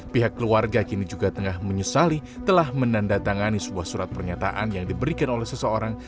pihak keluarga kini juga tengah menyesali telah menandatangani sebuah surat pernyataan yang diberikan oleh seseorang